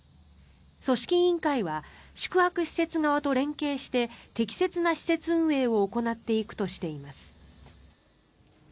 組織委員会は宿泊施設側と連携して適切な施設運営を行っていくとしています。